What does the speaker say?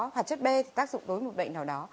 hoạt chất b thì tác dụng đối với một bệnh nào đó